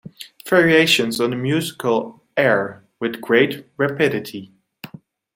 Variations on a musical air With great rapidity.